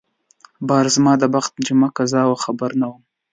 بهر زما د بخت جمعه قضا وه خبر نه وم